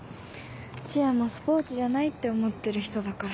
チアもスポーツじゃないって思ってる人だから。